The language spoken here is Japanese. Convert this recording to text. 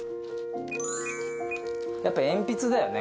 やっぱ鉛筆だよね